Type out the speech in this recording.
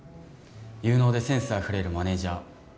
有能でセンスあふれるマネージャー。